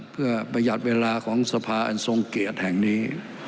เพื่อประหยัดเวลาของสภาอันทรงเกียรติแห่งนี้